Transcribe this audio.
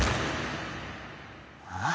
ああ！？